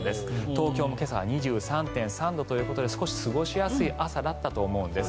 東京も今朝は２３．３度ということで少し過ごしやすい朝だったと思うんです。